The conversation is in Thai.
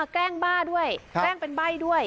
แกล้งบ้าด้วยแกล้งเป็นใบ้ด้วย